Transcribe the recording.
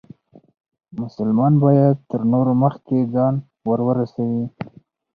مسلمان باید تر نورو مخکې ځان ورورسوي.